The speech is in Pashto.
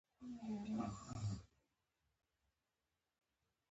اقتصادي ادغام د هیوادونو ترمنځ د اقتصادي خنډونو لرې کول دي